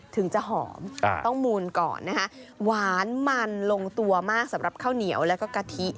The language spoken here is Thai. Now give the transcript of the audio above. ถึงจะหอมต้องมูลก่อนนะคะหวานมันลงตัวมากสำหรับข้าวเหนียวแล้วก็กะทิ